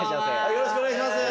よろしくお願いします。